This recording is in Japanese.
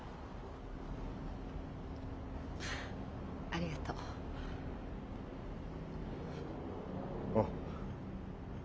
ありがとう。ああ。